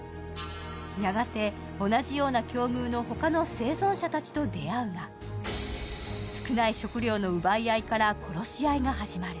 やがて同じような境遇の他の生存者と出会うが、少ない食料の奪い合いから殺し合いが始まる。